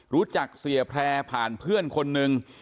รู้จักเสพแพร่ผ่านเพื่อนคนนึง